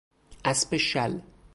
اسب شل